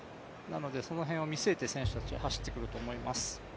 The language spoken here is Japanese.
その辺を見据えて選手たちは走ってくると思います。